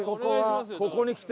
ここにきて。